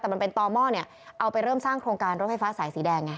แต่มันเป็นต่อหม้อเนี่ยเอาไปเริ่มสร้างโครงการรถไฟฟ้าสายสีแดงไง